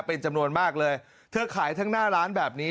เป็นจำนวนมากเลยเธอขายทั้งหน้าร้านแบบนี้